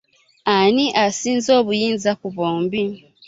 Ani asinza obuyinza ku bombi?